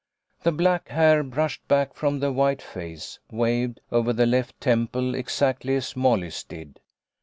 The black hair brushed back from the white face waved over the left temple exactly as Molly's did.